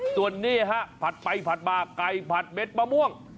ส่วนนี้ฮะผัดไปผัดมาไก่ผัดเด็ดมะม่วง